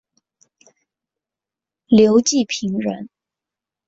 刘季平人。